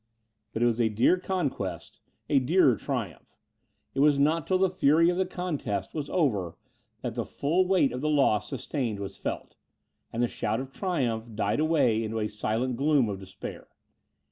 But it was a dear conquest, a dearer triumph! It was not till the fury of the contest was over, that the full weight of the loss sustained was felt, and the shout of triumph died away into a silent gloom of despair.